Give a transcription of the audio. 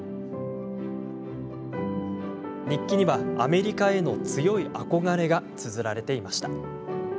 日記には、アメリカへの強い憧れがつづられていました。